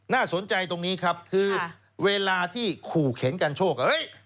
น่าสนใจตรงนี้ครับคือเวลาที่ขู่เข็นกันโชค